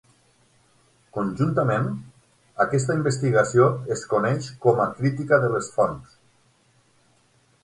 Conjuntament, aquesta investigació es coneix com a crítica de les fonts.